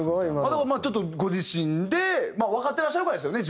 だからちょっとご自身でわかってらっしゃるからですよね